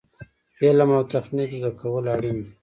علم او تخنیک زده کول اړین دي